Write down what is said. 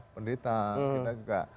pendeta kita juga